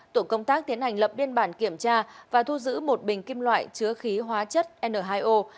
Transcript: tổ công tác tiến hành lập biên bản kiểm tra và thu giữ một bình kim loại chứa khí hóa chất n hai o